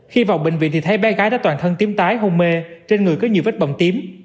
khi vào bệnh viện thì thấy bé gái đã toàn thân tím tái hôn mê trên người có nhiều vết bầm tím